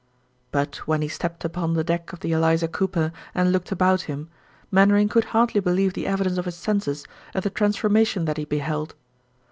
But when he stepped upon the deck of the Eliza Cooper and looked about him, Mainwaring could hardly believe the evidence of his senses at the transformation that he beheld.